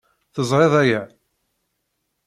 Teẓriḍ aya.